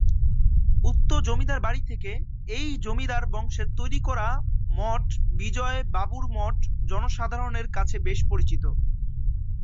উক্ত জমিদার বাড়ি থেকে এই জমিদার বংশের তৈরি করা মঠ বিজয় বাবুর মঠ জনসাধারণের কাছে বেশ পরিচিত।